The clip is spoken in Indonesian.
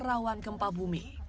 rawan gempa bumi